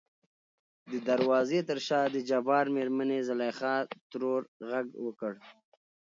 د دروازې تر شا دجبار مېرمنې زليخا ترور غږ وکړ .